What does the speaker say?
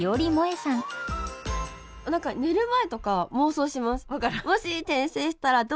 何か寝る前とか妄想します。